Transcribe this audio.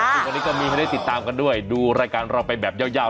วันนี้ก็มีให้ได้ติดตามกันด้วยดูรายการเราไปแบบยาว